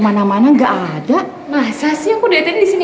saya tunggu kabar sejak ini